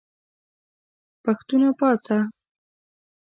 پښتونه پاڅه !